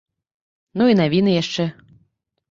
Ну і навіны яшчэ.